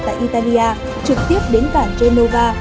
tại italia trực tiếp đến cảng genova